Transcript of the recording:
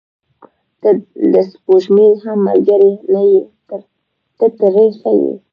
• ته د سپوږمۍ هم ملګرې نه یې، ته ترې ښه یې.